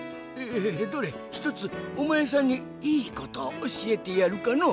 どれひとつおまえさんにいいことをおしえてやるかのう。